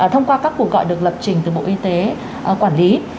thông qua các cuộc gọi được lập trình từ bộ y tế quản lý